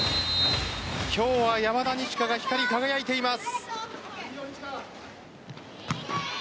今日は山田二千華が光り輝いています。